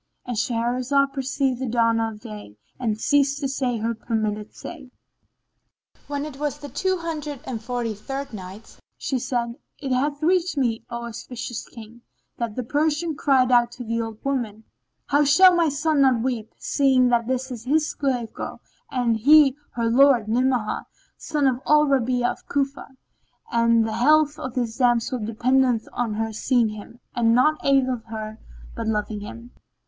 —And Shahrazad perceived the dawn of day and ceased to say her permitted say. When it was the Two Hundred and Forty third Night, She said, It hath reached me, O auspicious King, that the Persian cried out to the old woman, "How shall my son not weep, seeing that this is his slave girl and he her lord, Ni'amah son of al Rabi'a of Cufa; and the health of this damsel dependeth on her seeing him and naught aileth her but loving him.